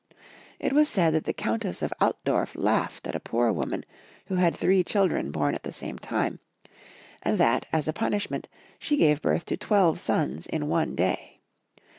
It was said that the Countess of Altdorf laughed at a poor woman who had three children born at the same time, and that, as a punishment, she gave birth to twelve sons in one day.